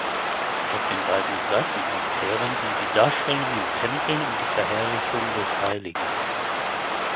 Auf den beiden Seitenaltären sind die Darstellung im Tempel und die Verherrlichung des Hl.